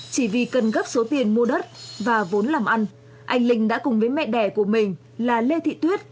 chỉ vì cần gấp số tiền mua đất và vốn làm ăn anh linh đã cùng với mẹ đẻ của mình là lê thị tuyết